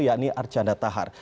yakni archandra tahar